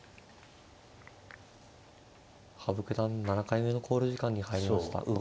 羽生九段７回目の考慮時間に入りました。